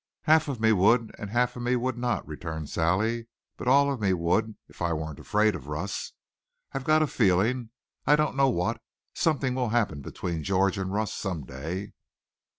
"Half of me would and half of me would not," returned Sally. "But all of me would if I weren't afraid of Russ. I've got a feeling I don't know what something will happen between George and Russ some day."